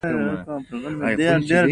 کور که خوشحال وي، ژوند خوشحال وي.